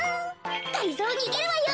がりぞーにげるわよ。